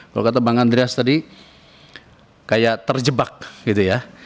kalau kata bang andreas tadi kayak terjebak gitu ya